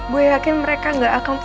gue yakin mereka gak akan punya bukti